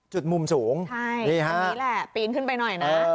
จุดมุมสูงใช่นี่แหละปีนขึ้นไปหน่อยนะ